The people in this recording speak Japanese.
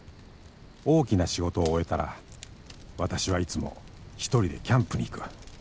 大きな仕事を終えたら私はいつも一人でキャンプに行く］